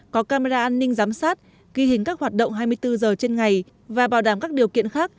có camera an ninh giám sát ghi hình các hoạt động hai mươi bốn h trên ngày và bảo đảm các điều kiện khác